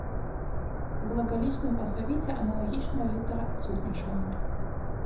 У глагалічным алфавіце аналагічная літара адсутнічала.